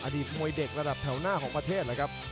มวยเด็กระดับแถวหน้าของประเทศเลยครับ